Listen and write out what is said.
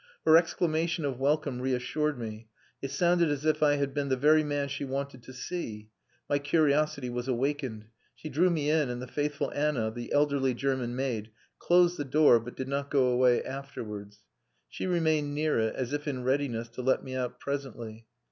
Her exclamation of welcome reassured me. It sounded as if I had been the very man she wanted to see. My curiosity was awakened. She drew me in, and the faithful Anna, the elderly German maid, closed the door, but did not go away afterwards. She remained near it as if in readiness to let me out presently.